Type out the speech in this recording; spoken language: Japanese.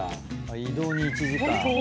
移動に１時間。